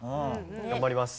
頑張ります。